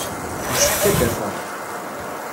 Yessefk ad d-afeɣ.